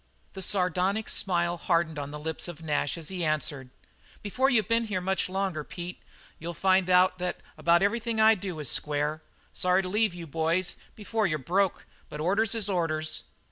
The sardonic smile hardened on the lips of Nash as he answered: "Before you've been here much longer, Pete, you'll find out that about everything I do is square. Sorry to leave you, boys, before you're broke, but orders is orders."